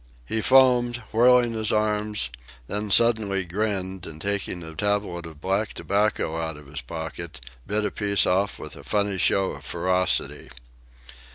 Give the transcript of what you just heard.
He foamed, whirling his arms, then suddenly grinned and, taking a tablet of black tobacco out of his pocket, bit a piece off with a funny show of ferocity.